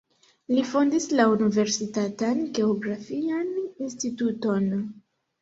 Li fondis la universitatan geografian instituton.